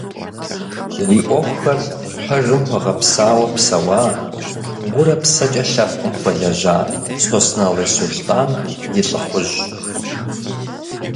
Зи ӏуэхухэр пэжым хуэгъэпсауэ псэуа, гурэ псэкӏэ лъэпкъым хуэлэжьа Сосналы Сулътӏан ди лӏыхъужьщ.